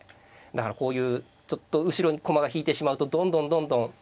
だからこういうちょっと後ろに駒が引いてしまうとどんどんどんどん。